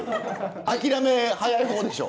諦め早い方でしょ？